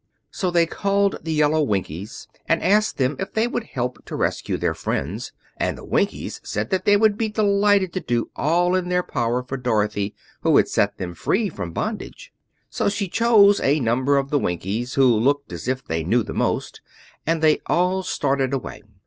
So they called the yellow Winkies and asked them if they would help to rescue their friends, and the Winkies said that they would be delighted to do all in their power for Dorothy, who had set them free from bondage. So she chose a number of the Winkies who looked as if they knew the most, and they all started away.